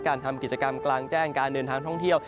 ทำกิจกรรมกลางแจ้งการเดินทางท่องเที่ยว